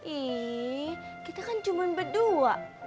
ih kita kan cuma berdua